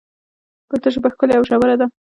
پښتو ژبه ښکلي او ژوره ده.